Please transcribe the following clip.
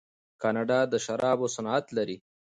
کاناډا د شرابو صنعت لري.